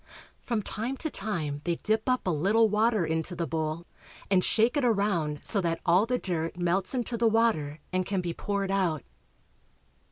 From time to time they dip up a little water into the bowl, and shake it around so that all the dirt melts into the water and can be poured out.